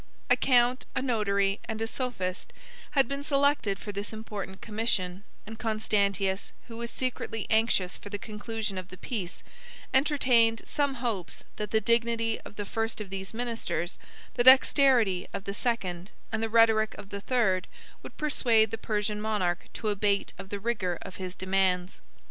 A count, a notary, and a sophist, had been selected for this important commission; and Constantius, who was secretly anxious for the conclusion of the peace, entertained some hopes that the dignity of the first of these ministers, the dexterity of the second, and the rhetoric of the third, 51 would persuade the Persian monarch to abate of the rigor of his demands.